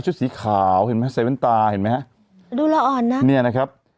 ชุดสีขาวเห็นมั้ยใส่แว้นตาเห็นมั้ยฮะดูละอ่อนน่ะนี่นะครับ